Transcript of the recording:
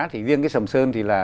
thì riêng cái sầm sơn thì là